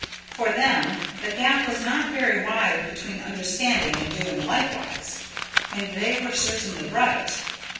For them, the gap was not very wide between understanding and doing likewise. And they were certainly right.